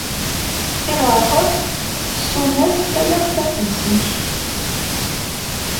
Tiɣerɣert tessun-as talaɣt at zik.